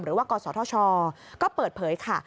หรือว่ากรสธชก็เปิดเผยค่ะ